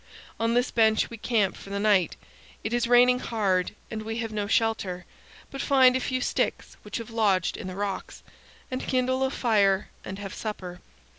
On this bench we camp for the night. It is raining hard, and we have no shelter, but find a few sticks which have lodged in the rocks, and kindle a fire and have supper.